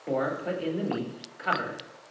Put in the meat. Cover. 5.